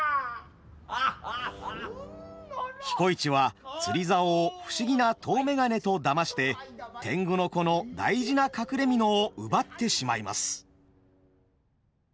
彦市は釣り竿を不思議な遠眼鏡とだまして天狗の子の大事な隠れ蓑を奪ってしまいます。